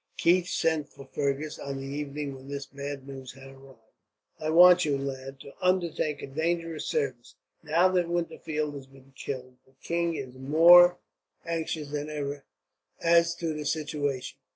Keith sent for Fergus, on the evening when this bad news had arrived. "I want you, lad, to undertake a dangerous service. Now that Winterfeld has been killed, the king is more anxious than ever as to the situation.